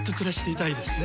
いいですね。